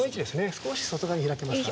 少し外側に開けますか？